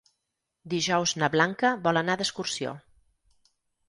Dijous na Blanca vol anar d'excursió.